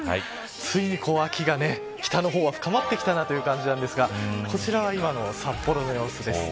ついに秋が、北の方は深まってきたなという感じなんですがこちらは今の札幌の様子です。